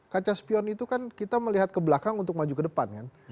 kaca spion itu kan kita melihat ke belakang untuk maju ke depan kan